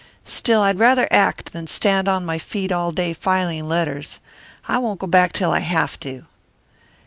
Still, I'd rather act than stand on my feet all day filing letters. I won't go back till I have to."